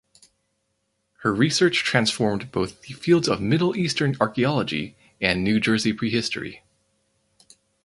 Her research transformed both the fields of Middle Eastern archaeology and New Jersey prehistory.